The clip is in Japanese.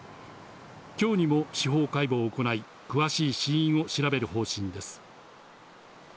今日にも司法解剖を行い、詳しい死因を調べる方針です。